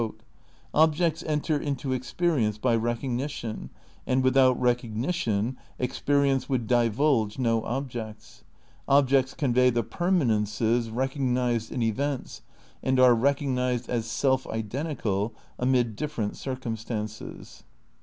36 THE NEW IDEALISM n "Objects enter into experience by recognition, and without recog nition experience would divulge no objects.' Objects convey the permanences recognised in events and are recognised as self identi cal amid different circumstances."'